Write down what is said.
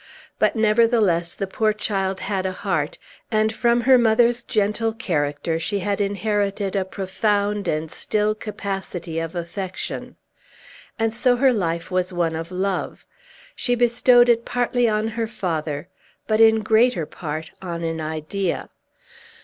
But, nevertheless, the poor child had a heart; and from her mother's gentle character she had inherited a profound and still capacity of affection. And so her life was one of love. She bestowed it partly on her father, but in greater part on an idea.